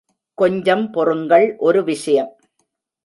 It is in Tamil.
கொஞ்சம் பொறுங்கள் ஒரு விஷயம்.